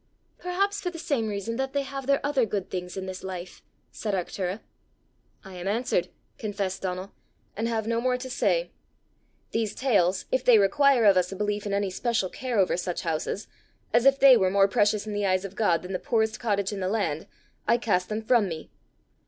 "Perhaps for the same reason that they have their other good things in this life!" said Arctura. "I am answered," confessed Donal, "and have no more to say. These tales, if they require of us a belief in any special care over such houses, as if they were more precious in the eyes of God than the poorest cottage in the land, I cast them from me."